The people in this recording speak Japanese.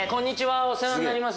お世話になります。